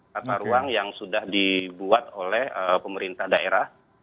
tata ruang yang sudah dibuat oleh pemerintah daerah